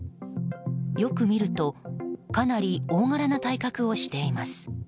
よく見るとかなり大柄な体格をしています。